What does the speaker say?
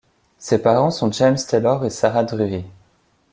Ses parents sont James Taylor and Sarah Drury.